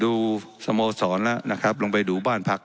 สโมสรแล้วนะครับลงไปดูบ้านพัก